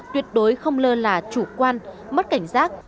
tuyệt đối không lơ là chủ quan mất cảnh giác